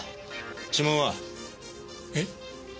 指紋は？えっ？